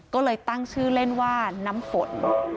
ก็เลยตั้งชื่อเล่นว่าน้ำฝน